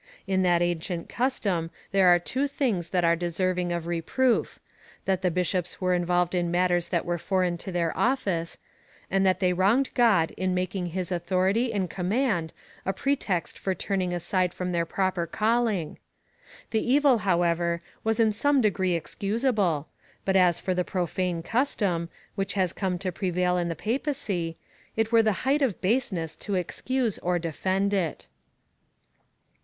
In that ancient custom there are two things that are deserving of reproof — that the bishops were involved in matters that were foreign to their office ; and that they wronged God in making his authority and comniand a pretext for turning aside from their proper call ing,/ The evil, however, was in some degree excusable, but as for the profane custom, which has come to prevail in the Papacy, it were the height of baseness to excuse or defend it, 5.